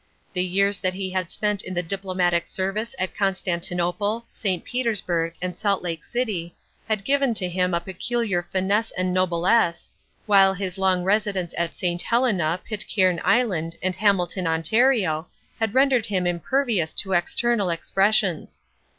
The years that he had spent in the diplomatic service at Constantinople, St. Petersburg, and Salt Lake City had given to him a peculiar finesse and noblesse, while his long residence at St. Helena, Pitcairn Island, and Hamilton, Ontario, had rendered him impervious to external impressions.